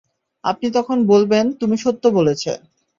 আপনি তখন বলবেন, তুমি সত্য বলেছে।